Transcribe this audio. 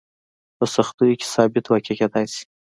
په سختیو کې ثابت واقع کېدای شي.